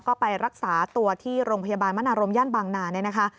ก็ไปรักษาตัวที่โรงพยาบาลมนารมย่านบางนาเนี่ยนะคะ